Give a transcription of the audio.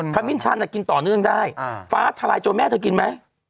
ขมิ้นชันกินต่อเนื่องได้ฟ้าทลายโจรแม่เธอกินไหม